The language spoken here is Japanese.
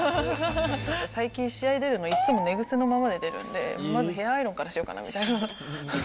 最近、試合出るの、いつも寝ぐせのままで出るので、まずヘアアイロンからしようかな